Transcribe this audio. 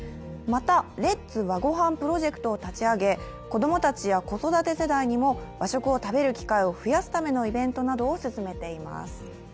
また、レッツ和ごはんプロジェクトを立ち上げ、子供たちや子育て世代にも和食を食べる機会を増やすためのイベントを進めています。